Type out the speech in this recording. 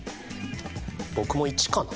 僕も１かな。